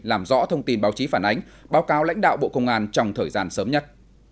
làm rõ thông tin báo chí phản ánh báo cáo lãnh đạo bộ công an trong thời gian sớm nhất